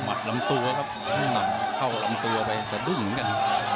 มัดลำตัวครับนี่มัดเข้าลำตัวไปจะดึ้งกัน